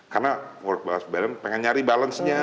karena work life balance pengen nyari balance nya